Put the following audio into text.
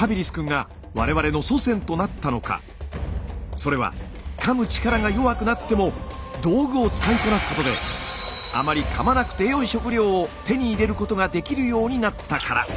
それはかむ力が弱くなっても道具を使いこなすことであまりかまなくてよい食料を手に入れることができるようになったから。